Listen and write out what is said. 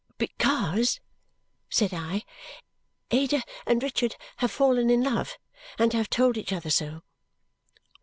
"Because," said I, "Ada and Richard have fallen in love. And have told each other so."